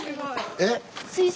えっ？